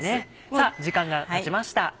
さぁ時間がたちました。